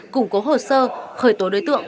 củng cố hồ sơ khởi tố đối tượng